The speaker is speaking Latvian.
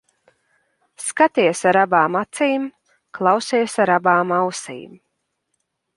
Skaties ar abām acīm, klausies ar abām ausīm.